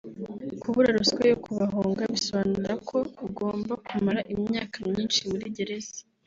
Kubura ruswa yo kubahonga bisobanura ko ugomba kumara imyaka myinshi muri gereza